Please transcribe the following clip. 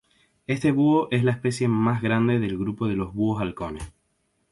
Este búho es la especie más grande del grupo de los "búhos halcones".